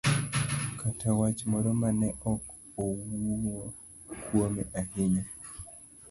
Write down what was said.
kata wach moro ma ne ok owuo kuome ahinya,